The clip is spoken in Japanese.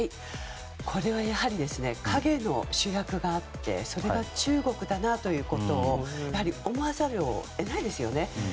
これはやはり陰の主役があってそれが中国だなということを思わざるを得ないですね。